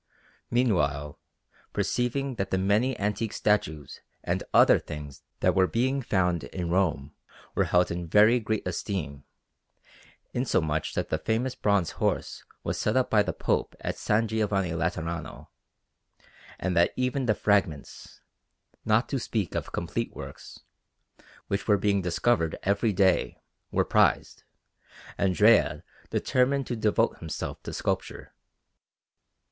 Meanwhile, perceiving that the many antique statues and other things that were being found in Rome were held in very great esteem, insomuch that the famous bronze horse was set up by the Pope at S. Giovanni Laterano, and that even the fragments not to speak of complete works which were being discovered every day, were prized, Andrea determined to devote himself to sculpture.